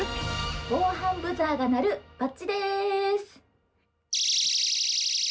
防犯ブザーが鳴るバッジです！